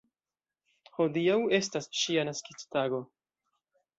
Hodiaŭ estas ŝia naskiĝtago.